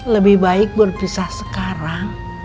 lebih baik berpisah sekarang